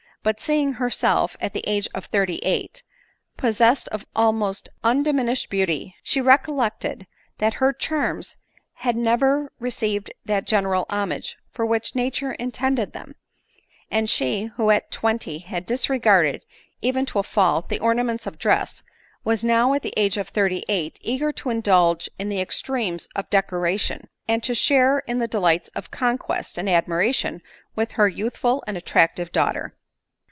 But seeing herself, at the age of thirty eight, possessed of almost undiminished beauty, she recollected that her charms had never re 3 2? ADELINE MOWBRAY. ceived that general homage for which nature intended them ; and she, who at twenty had disregarded, even to a fault, the ornaments of dress, was now, at the age of thirty eight, eager to indulge in the extremes of decoration, and to share in the delights of conquest and admiration with her youthful and attractive daughter.